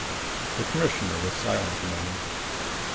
The Commissioner was silent a moment.